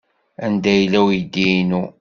Anda yella uydi-inu?